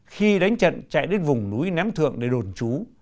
khi đánh trận chạy đến vùng núi ném thượng để đồn trú